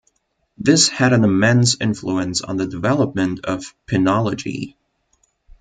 This had an immense influence on the development of penology.